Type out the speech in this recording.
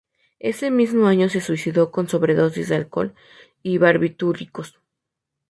Ese mismo año se suicidó con una sobredosis de alcohol y barbitúricos.